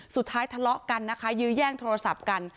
ทะเลาะกันนะคะยื้อแย่งโทรศัพท์กัน